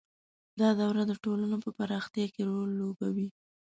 • دا دوره د ټولنو په پراختیا کې رول درلود.